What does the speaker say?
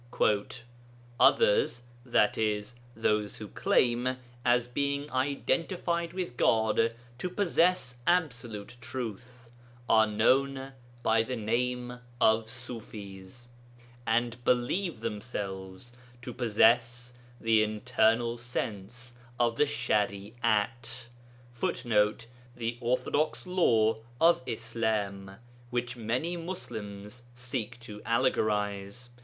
'Others (i.e. those who claim, as being identified with God, to possess absolute truth) are known by the name of Ṣufis, and believe themselves to possess the internal sense of the Shari'at [Footnote: The orthodox Law of Islam, which many Muslims seek to allegorize.